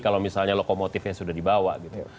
kalau misalnya lokomotifnya sudah dibawa gitu